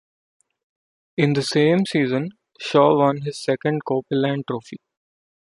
In the same season, Shaw won his second Copeland Trophy.